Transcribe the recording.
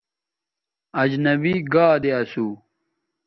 اجنبی گادے اسو